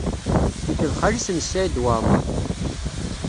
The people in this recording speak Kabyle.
Nekk d xali-s n Saɛid Waɛmaṛ.